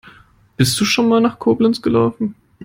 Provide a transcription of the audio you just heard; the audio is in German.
Bist du schon mal nach Koblenz gelaufen?